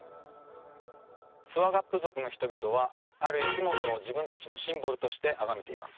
スワガップ族の人々はある生き物を自分達のシンボルとして崇めています